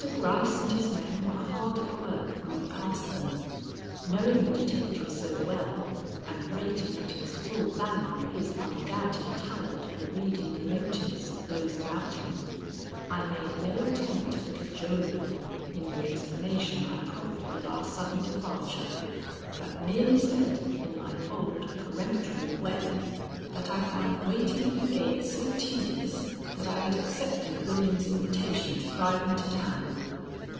Gryce and his men were hard at work when we passed them. Knowing the detective so well, and rating at its full value his undoubted talent for reading the motives of those about him, I made no attempt at cajolery in the explanation I proffered of our sudden departure, but merely said, in my old, peremptory way, that I found waiting at the gate so tedious that I had accepted William's invitation to drive into town.